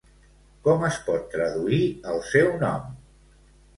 Com es pot traduir el seu nom?